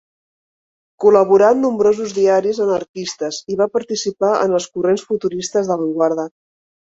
Col·laborà en nombrosos diaris anarquistes i va participar en els corrents futuristes d'avantguarda.